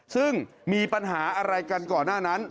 ซึ่งมีปัญหาอะไรกันก่อนหน้านั้น